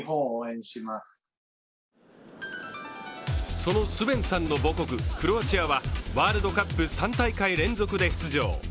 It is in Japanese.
そのスヴェンさんの母国クロアチアはワールドカップに３大会連続で出場。